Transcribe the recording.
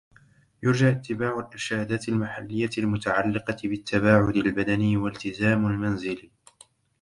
يرجى اتباع الإرشادات المحلية المتعلقة بالتباعد البدني والتزام المنزل